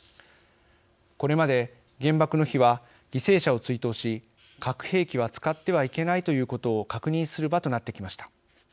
これまで、原爆の日は犠牲者を追悼し「核兵器は使ってはいけない」ということを確認する場となってきました。